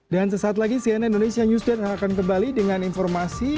dan sesaat lagi cnn indonesia newsday akan kembali dengan informasi